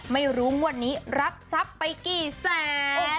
ไม่รู้มวดนี้รับทรัพย์ไปกี่แสน